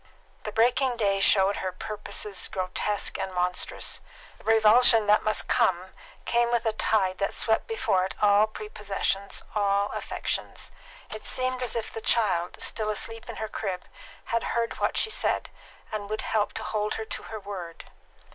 The breaking day showed her purposes grotesque and monstrous. The revulsion that must come, came with a tide that swept before it all prepossessions, all affections. It seemed as if the child, still asleep in her crib, had heard what she said, and would help to hold her to her word.